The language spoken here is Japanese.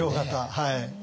はい。